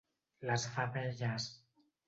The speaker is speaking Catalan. Les femelles: